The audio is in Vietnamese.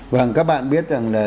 vâng các bạn biết rằng là